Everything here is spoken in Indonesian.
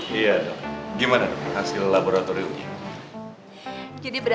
hyeah masalah kok mau ngheiten berikutnya